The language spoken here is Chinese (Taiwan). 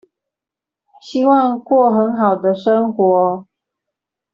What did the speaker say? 希望過很好的生活